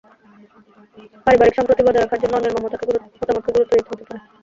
পারিবারিক সম্প্রীতি বজায় রাখার জন্য অন্যের মতামতকে গুরুত্ব দিতে হতে পারে।